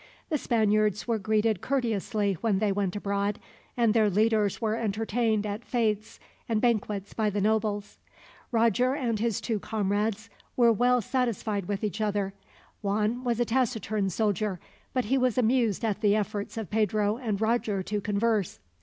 The Spaniards were greeted courteously when they went abroad, and their leaders were entertained at fetes and banquets by the nobles. Roger and his two comrades were well satisfied with each other. Juan was a taciturn soldier, but he was amused at the efforts of Pedro and Roger to converse.